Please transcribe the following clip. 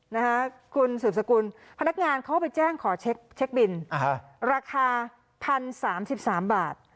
นะฮะคุณสืบสกุลพนักงานเขาไปแจ้งขอเช็คเช็คบินอ่าฮะราคา๑๐๓๓บาท